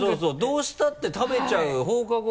どうしたって食べちゃう放課後